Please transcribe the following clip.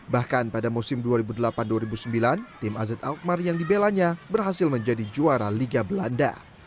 bahkan pada musim dua ribu delapan dua ribu sembilan tim az alkmar yang dibelanya berhasil menjadi juara liga belanda